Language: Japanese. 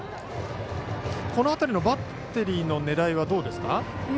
この辺りのバッテリーの狙いはどうですか？